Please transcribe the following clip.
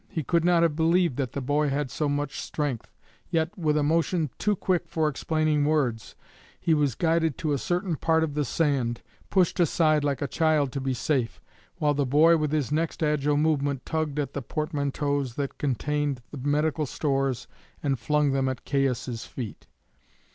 He could not have believed that the boy had so much strength, yet, with a motion too quick for explaining words, he was guided to a certain part of the sand, pushed aside like a child to be safe, while the boy with his next agile movement tugged at the portmanteaus that contained the medical stores, and flung them at Caius' feet.